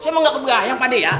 sebenernya gak keberanian pakde ya